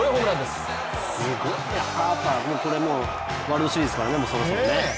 すごいなハーパーもうワールドシリーズですからね、そろそろ。